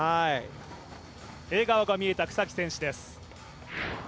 笑顔が見えた草木選手です。